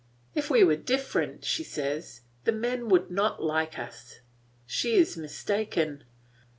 "If we were different," she says, "the men would not like us." She is mistaken.